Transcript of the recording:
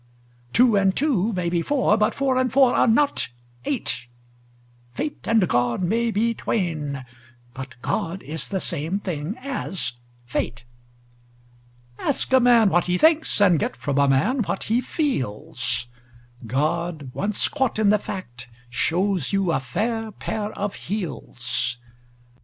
Two and two may be four: but four and four are not eight: Fate and God may be twain: but God is the same thing as fate. Ask a man what he thinks, and get from a man what he feels: God, once caught in the fact, shows you a fair pair of heels.